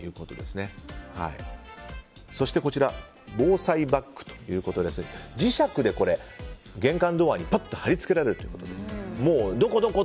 そして、こちらは防災バッグということですが磁石で、玄関ドアに貼り付けられてどこどこ？